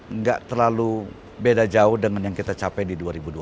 nggak terlalu beda jauh dengan yang kita capai di dua ribu dua puluh